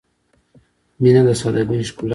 • مینه د سادګۍ ښکلا ده.